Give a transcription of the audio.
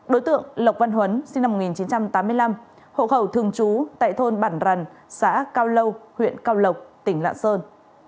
đối tượng lộc văn huấn sinh năm một nghìn chín trăm tám mươi năm hộ khẩu thường trú tại thôn bản rằn xã cao lâu huyện cao lộc tỉnh lạng sơn